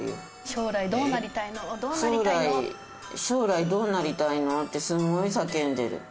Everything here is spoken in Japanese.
「将来どうなりたいの？」ってすごい叫んでる。